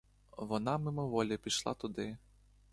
Вона мимоволі пішла туди.